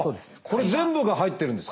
これ全部が入ってるんですか？